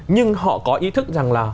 nhưng họ có ý thức rằng là